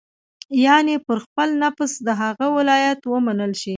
یعنې پر خپل نفس د هغه ولایت ومنل شي.